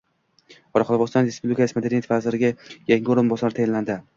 Qoraqalpog‘iston Respublikasi madaniyat vaziriga yangi o‘rinbosar tayinlandi